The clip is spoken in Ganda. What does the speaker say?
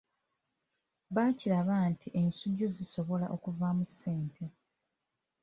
Baakiraba nti ensujju zisobola okuvaamu ssente.